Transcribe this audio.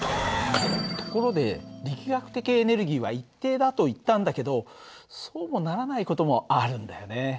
ところで力学的エネルギーは一定だと言ったんだけどそうもならない事もあるんだよね。